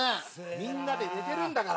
みんなで寝てるんだから。